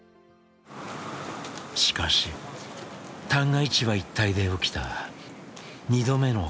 しかし旦過市場一帯で起きた２度目の火災。